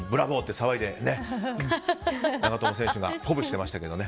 騒いで長友選手が鼓舞してましたけどね。